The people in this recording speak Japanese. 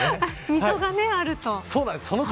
溝があると。